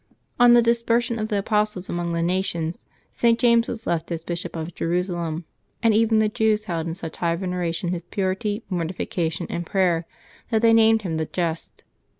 On the dispersion of the apostles among the nations, St. James was left as Bishop of Jerusalem; and even the Jews held in such high veneration his purity, mortification, and prayer, that they named him the Just.